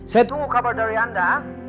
saya tunggu kabar dari anda